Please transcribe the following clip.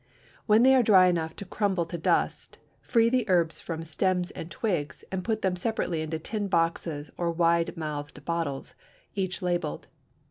When they are dry enough to crumble to dust, free the herbs from stems and twigs, and put them separately into tin boxes or wide mouthed bottles, each labelled.